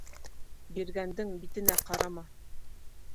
Биргәндең битенә ҡарама.